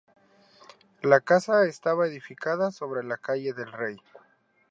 La casa estaba edificada sobre la Calle del Rey.